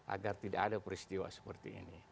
agar tidak ada peristiwa seperti ini